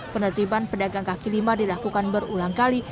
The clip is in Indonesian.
penertiban pedagang kaki lima dilakukan berulang kali